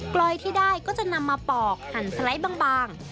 ลอยที่ได้ก็จะนำมาปอกหั่นสไลด์บาง